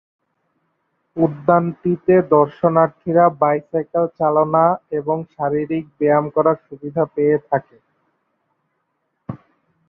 উদ্যানটিতে দর্শনার্থীরা বাইসাইকেল চালনা এবং শারীরিক ব্যায়াম করার সুবিধা পেয়ে থাকে।